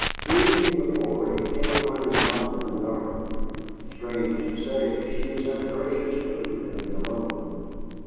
The evening before he came upon his mother in the garden. Strange to say, she was in a gracious mood and alone.